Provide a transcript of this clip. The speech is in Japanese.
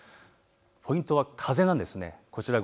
ポイントは風なんです。